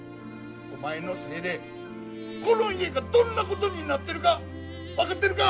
お前のせいでこの家がどんなことになってるか分かってるか！